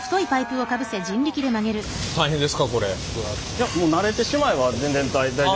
いやもう慣れてしまえば全然大丈夫。